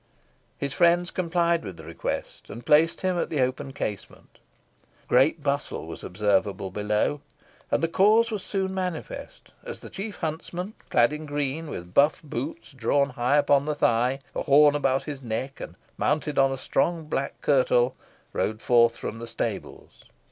His friends complied with the request, and placed him at the open casement. Great bustle was observable below, and the cause was soon manifest, as the chief huntsman, clad in green, with buff boots drawn high up on the thigh, a horn about his neck, and mounted on a strong black curtal, rode forth from the stables.